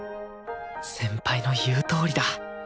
先輩の言うとおりだ！